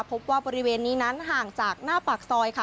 พบว่าบริเวณนี้นั้นห่างจากหน้าปากซอยค่ะ